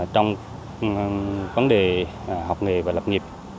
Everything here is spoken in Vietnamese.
trong vấn đề học nghề và lập nghiệp